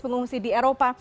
pengungsi di eropa